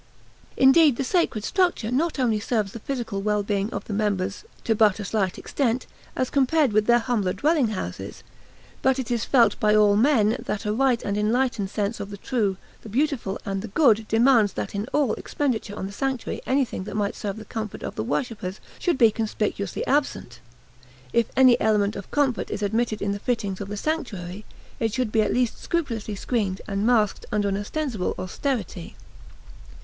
Indeed, the sacred structure not only serves the physical well being of the members to but a slight extent, as compared with their humbler dwelling houses; but it is felt by all men that a right and enlightened sense of the true, the beautiful, and the good demands that in all expenditure on the sanctuary anything that might serve the comfort of the worshipper should be conspicuously absent. If any element of comfort is admitted in the fittings of the sanctuary, it should be at least scrupulously screened and masked under an ostensible austerity.